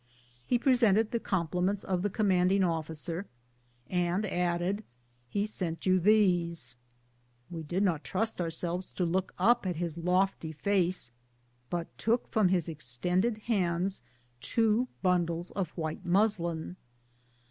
He pre sented the compliments of the commanding officer, and added, "He sent you these." We did not trust our selves to look up at his loftj face, but took from his ex tended hands two bundles of white muslin.